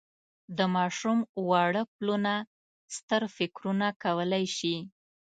د ماشوم واړه پلونه ستر فکرونه کولای شي.